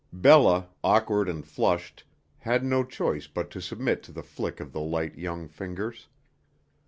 Bella, awkward and flushed, had no choice but to submit to the flick of the light, young fingers.